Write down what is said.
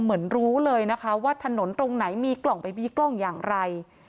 เหมือนรู้เลยนะคะว่าถนนตรงไหนมีกล่องไปมีกล้องอย่างไร